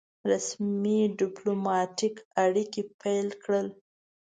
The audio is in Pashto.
رسمي ډيپلوماټیک اړیکي پیل کړل.